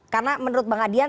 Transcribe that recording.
karena menurut bang adrian